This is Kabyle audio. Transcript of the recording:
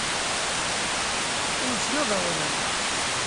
Uysen ad awḍen.